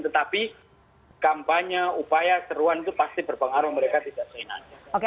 tetapi kampanye upaya seruan itu pasti berpengaruh mereka tidak sehat